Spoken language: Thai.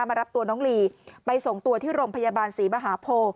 มารับตัวน้องลีไปส่งตัวที่โรงพยาบาลศรีมหาโพ